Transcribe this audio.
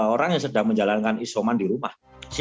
orang yang sedang menjalankan isoman di rumah